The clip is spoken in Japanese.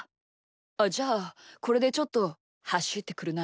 あっじゃあこれでちょっとはしってくるな。